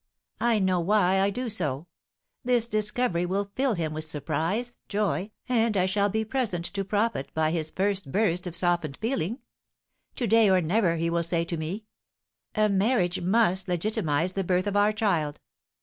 "I know why I do so. This discovery will fill him with surprise, joy, and I shall be present to profit by his first burst of softened feeling. To day or never he will say to me, 'A marriage must legitimise the birth of our child!'